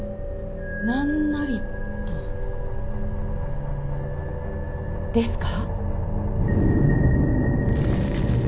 何なりとですか？